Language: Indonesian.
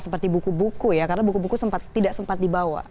seperti buku buku ya karena buku buku tidak sempat dibawa